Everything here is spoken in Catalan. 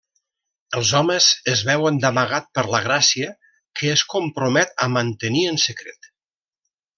Els homes es veuen d'amagat per la Gràcia, que es compromet a mantenir en secret.